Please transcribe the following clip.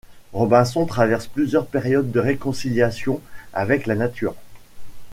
Robinson traverse plusieurs périodes de réconciliation avec la nature.